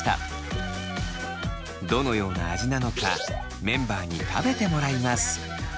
どのような味なのかメンバーに食べてもらいます。